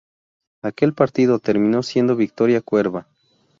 Aquel partido terminó siendo victoria cuerva.